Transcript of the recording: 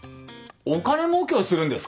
お金もうけをするんですか？